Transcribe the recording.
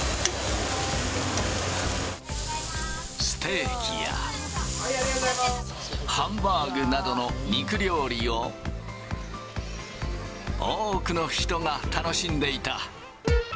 ステーキやハンバーグなどの肉料理を、多くの人が楽しんでいた。